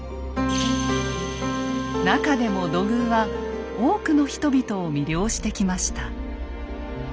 なかでも土偶は多くの人々を魅了してきました。